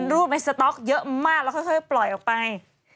รูปในสต๊อกเยอะมากแล้วค่อยปล่อยออกไป